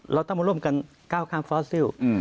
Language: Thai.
เราต้องมาล่มกัน๙ข้ามฟอร์ซิล